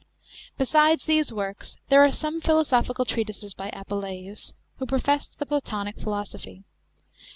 B< sides these works, there are some philosophical treatises by Apuleius, who professed the Platonic philosophy.